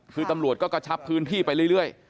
คือตำรวจก็กระชับพื้นที่ไปเรื่อย